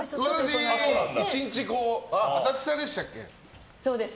私１日、浅草でしたっけ。